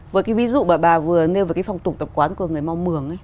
với cái ví dụ mà bà vừa nêu về cái phong tục tập quán của người mường ấy